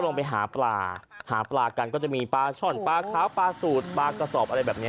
หลงไปหาปลาก็จะมีปลาช่อนปลาขาวปลาสูตรปลากระสอบ